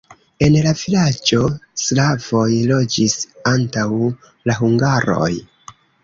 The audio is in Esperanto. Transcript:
En la vilaĝo slavoj loĝis antaŭ la hungaroj.